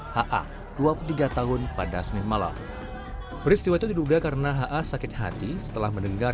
ha dua puluh tiga tahun pada senin malam peristiwa itu diduga karena ha sakit hati setelah mendengar